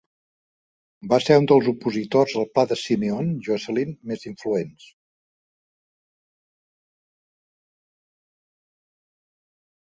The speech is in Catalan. Va ser un dels opositors al pla de Simeon Jocelyn més influents.